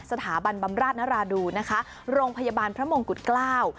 ราชนราดูโรงพยาบาลพระมงกุฎเกล้า